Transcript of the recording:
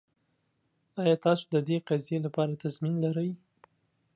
ایا تاسو د دې قضیې لپاره تضمین لرئ؟